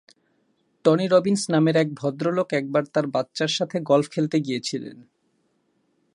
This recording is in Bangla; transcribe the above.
টনি রবিনস নামের এক ভদ্রলোক একবার তার বাচ্চার সাথে গলফ খেলতে গিয়েছিলেন।